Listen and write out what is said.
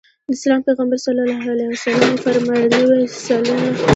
د اسلام پیغمبر ص وفرمایل نوې سلنه په تجارت کې ده.